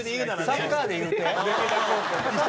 サッカーで言うて。